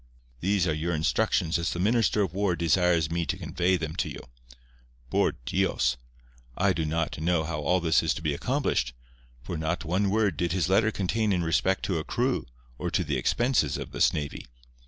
These are your instructions as the Minister of War desires me to convey them to you. Por Dios! I do not know how all this is to be accomplished, for not one word did his letter contain in respect to a crew or to the expenses of this navy.